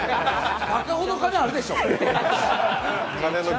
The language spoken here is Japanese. バカほど金あるでしょ！